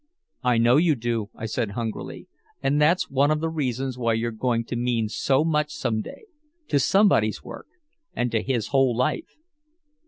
"I know you do," I said hungrily. "And that's one of the reasons why you're going to mean so much some day to somebody's work and to his whole life."